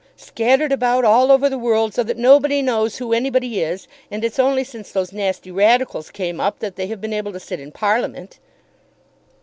"Scattered about all over the world, so that nobody knows who anybody is. And it's only since those nasty Radicals came up that they have been able to sit in Parliament."